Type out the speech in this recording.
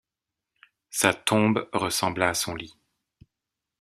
Sa tombe ressembla à son lit.